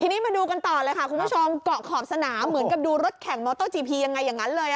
ทีนี้มาดูกันต่อเลยค่ะคุณผู้ชมเกาะขอบสนามเหมือนกับดูรถแข่งมอเตอร์จีพียังไงอย่างนั้นเลย